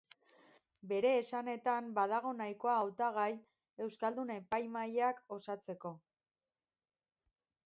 Bere esanetan, badago nahikoa hautagai euskaldun epaimahaiak osatzeko.